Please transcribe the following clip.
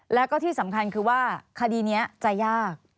แล้วก็ที่สำคัญคือว่าคดีนี้จะยาก